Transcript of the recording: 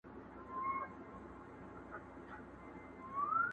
ګړی وروسته مرغه کښته سو له بامه.